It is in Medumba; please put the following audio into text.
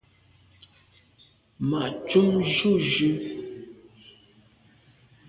Ma’ ntùm jujù.